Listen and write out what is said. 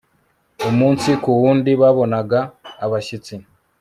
Umunsi ku wundi babonaga abashyitsi